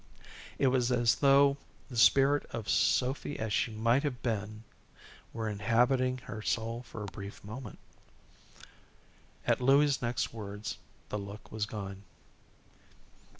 It was as though the spirit of Sophy as she might have been were inhabiting her soul for a brief moment. At Louie's next words the look was gone.